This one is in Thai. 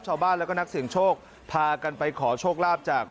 ชาวบ้านแล้วก็นักเสียงโชคพากันไปขอโชคลาภจาก